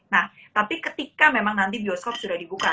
nah tapi ketika memang nanti bioskop sudah dibuka